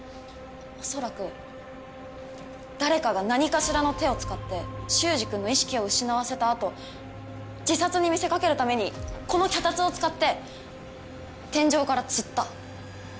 恐らく誰かが何かしらの手を使って秀司君の意識を失わせた後自殺に見せかけるためにこの脚立を使って天井からつった。